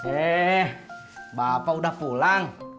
eh bapak udah pulang